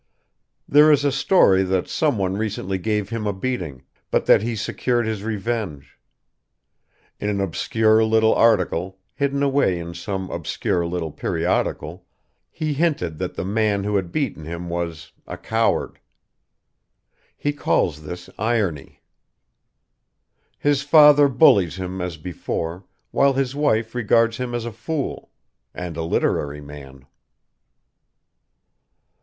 There is a story that someone recently gave him a beating, but that he secured his revenge: in an obscure little article, hidden away in some obscure little periodical, he hinted that the man who had beaten him was a coward. He calls this irony. His father bullies him as before, while his wife regards him as a fool ... and a literary man.